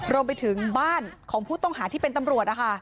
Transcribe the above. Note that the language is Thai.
รวมไปถึงบ้านของผู้ต้องหาที่เป็นตำรวจนะคะ